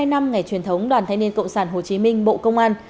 sáu mươi hai năm ngày truyền thống đoàn thanh niên cộng sản hồ chí minh bộ công an